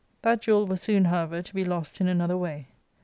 That jewel was soon, however, to be lost in another way.